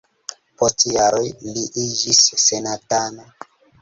Post jaroj li iĝis senatano.